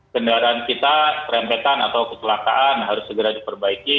kendaraan kita rempetan atau keselakaan harus segera diperbaiki